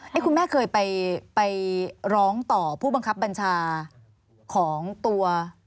คุณแม่เคยไปร้องต่อผู้บังคับบัญชาของตัว